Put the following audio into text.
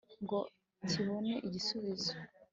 ngo kibone igisubizo